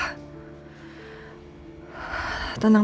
tidak elsa tenang